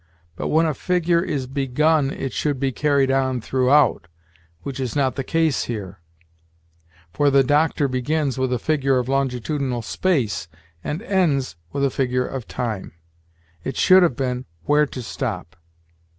But when a figure is begun it should be carried on throughout, which is not the case here; for the Doctor begins with a figure of longitudinal space and ends with a figure of time. It should have been, where to stop.